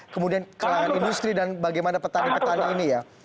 kemudian kalangan industri dan bagaimana petani petani ini ya